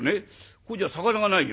ここじゃ肴がないよ」。